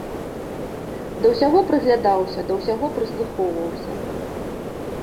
Да ўсяго прыглядаўся, да ўсяго прыслухоўваўся.